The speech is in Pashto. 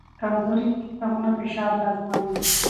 کمزوري سیستمونه فشار نه زغمي.